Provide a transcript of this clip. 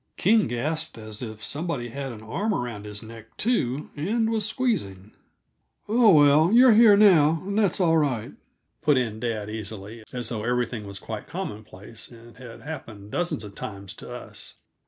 King gasped as if somebody had an arm around his neck, too, and was squeezing. "Oh, well, you're here now, and it's all right," put in dad easily, as though everything was quite commonplace and had happened dozens of times to us.